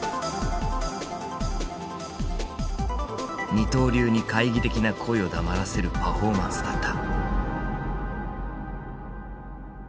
二刀流に懐疑的な声を黙らせるパフォーマンスだった。